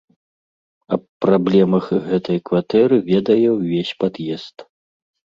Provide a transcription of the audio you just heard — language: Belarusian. Аб праблемах гэтай кватэры ведае ўвесь пад'езд.